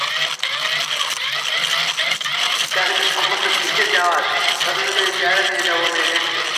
কালকে সম্বন্ধ দেখতে যাওয়ার কথা ছিল, এই চেহারা নিয়ে যাব, মেয়ে দেখতে?